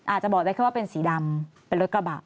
อาจจะบอกได้แค่ว่าเป็นสีดำเป็นรถกระบะ